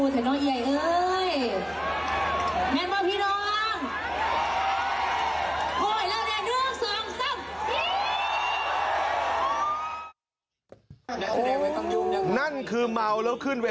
ชนิดนี้ครับขาดเรียกครับ